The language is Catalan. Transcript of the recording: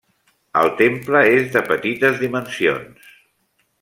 El temple és de petites dimensions.